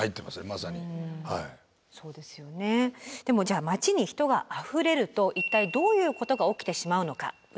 でもじゃあ街に人があふれると一体どういうことが起きてしまうのか。